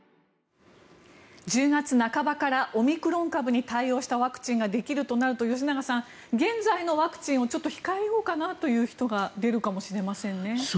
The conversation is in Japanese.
１０月半ばからオミクロン株に対応したワクチンができるとなると吉永さん、現在のワクチンをちょっと控えようかなという人が出るかもしれませんね。